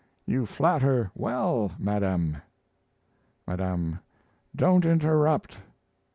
You flatter well, Madame. 'Madame.' Don't interrupt.